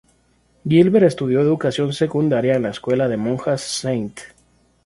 Gilbert estudió educación secundaria en la escuela de monjas St.